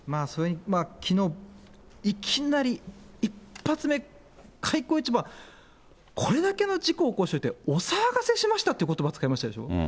きのういきなり、一発目、開口一番、これだけの事故を起こしといて、お騒がせしましたってことば使いましたでしょ。